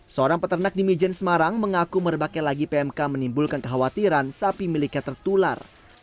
seorang peternak di mijen semarang mengaku merebaknya lagi pmk menimbulkan kekhawatiran sapi miliknya tertular